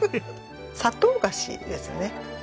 砂糖菓子ですね。